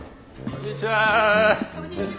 こんにちは。